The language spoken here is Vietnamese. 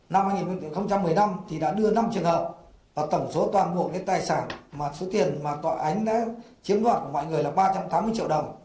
năm hai nghìn một mươi năm thì đã đưa năm trường hợp và tổng số toàn bộ cái tài sản mà số tiền mà tòa ánh đã chiếm đoạt của mọi người là ba trăm tám mươi triệu đồng